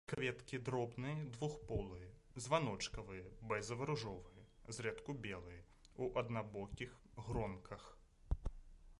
Кветкі дробныя, двухполыя, званочкавыя, бэзава-ружовыя, зрэдку белыя, у аднабокіх гронках.